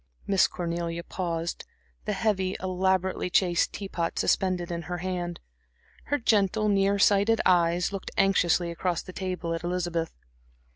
Miss Cornelia paused, the heavy, elaborately chased tea pot suspended in her hand. Her gentle, near sighted eyes looked anxiously across the table at Elizabeth.